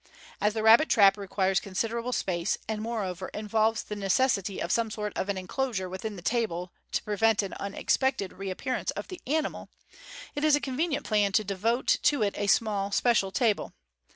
As the rabbit trap requires considerable space, and, moreover, involves the necessity of some sort of an inclosure within the table to prevent an unexpected reappear ance of the animal, it is a convenient plan to de vote to it a small special table.